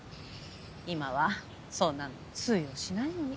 今はそんなの通用しないのに。